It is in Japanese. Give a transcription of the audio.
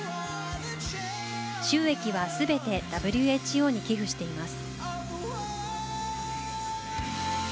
収益はすべてＷＨＯに寄付しています。